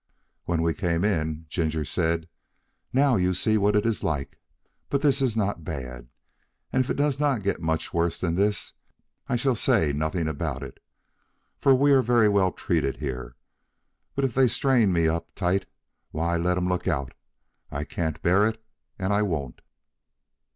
When we came in, Ginger said, "Now you see what it is like; but this is not bad, and if it does not get much worse than this I shall say nothing about it, for we are very well treated here; but if they strain me up tight, why, let 'em look out! I can't bear it, and I won't."